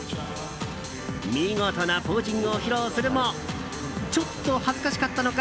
見事なポージングを披露するもちょっと恥ずかしかったのか